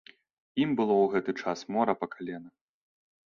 Ім было ў гэты час мора па калена.